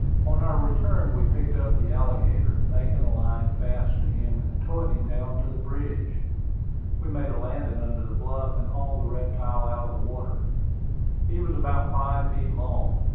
On our return we picked up the alligator, making a line fast to him, and towing him down to the bridge. We made a landing under the bluff, and hauled the reptile out of the water. He was about five feet long.